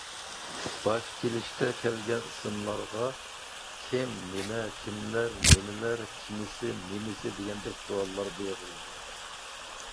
باش كېلىشتە كەلگەن ئىسىملارغا «كىم، نېمە، كىملەر، نېمىلەر، كېمىسى، نېمىسى» دېگەندەك سوئاللار بېرىلىدۇ.